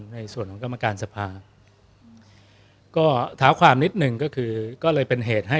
ในส่วนของกรรมการสภาก็เท้าความนิดหนึ่งก็คือก็เลยเป็นเหตุให้